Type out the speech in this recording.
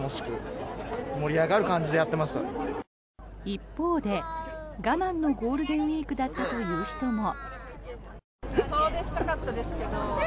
一方で我慢のゴールデンウィークだったという人も。